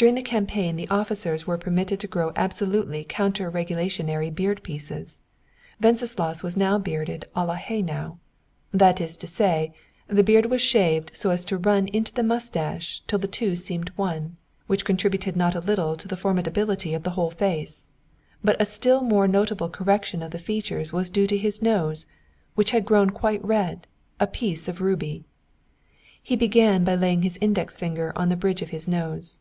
During the campaign the officers were permitted to grow absolutely counter regulationary beard pieces. Wenceslaus was now bearded à la Haynau, that is to say, the beard was shaved so as to run into the moustache, till the two seemed one, which contributed not a little to the formidability of the whole face. But a still more notable correction of the features was due to his nose, which had grown quite red, a piece of ruby. He began by laying his index finger on the bridge of his nose.